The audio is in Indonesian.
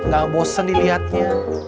gak bosen diliatnya